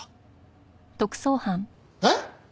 えっ！？